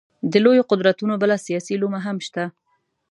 د لویو قدرتونو بله سیاسي لومه هم شته.